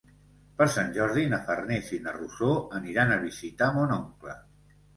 Per Sant Jordi na Farners i na Rosó aniran a visitar mon oncle.